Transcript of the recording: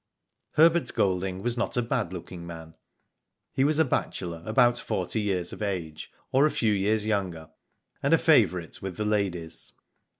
Herbert Golding was not a bad looking man. He was a bachelor, about forty years of age, or a few years younger, and a favourite with the ladies.